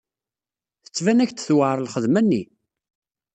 Tettban-ak-d tewɛer lxedma-nni?